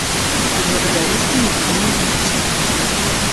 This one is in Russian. И благодарить меня вы не можете.